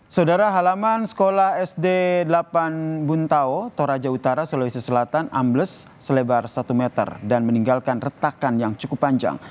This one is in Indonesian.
saudara halaman sekolah sd delapan buntao toraja utara sulawesi selatan ambles selebar satu meter dan meninggalkan retakan yang cukup panjang